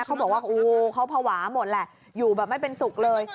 เขาบอกว่าโอ้เขาภาวะหมดแหละอยู่แบบไม่เป็นสุขเลย